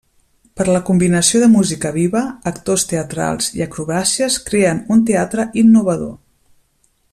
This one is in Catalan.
Per la combinació de música viva, actors teatrals i acrobàcies creen un teatre innovador.